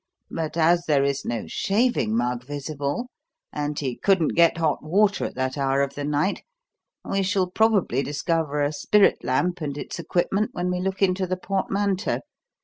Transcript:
But as there is no shaving mug visible, and he couldn't get hot water at that hour of the night, we shall probably discover a spirit lamp and its equipment when we look into the portmanteau.